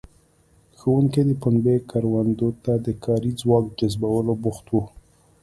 ښوونکي د پنبې کروندو ته د کاري ځواک جذبولو بوخت وو.